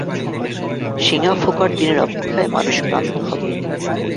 শিঙা ফোঁকার দিনের অপেক্ষায় মানুষ ক্লান্ত হবে।